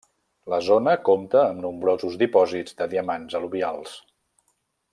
La zona compta amb nombrosos dipòsits de diamants al·luvials.